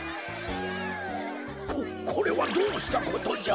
ここれはどうしたことじゃ？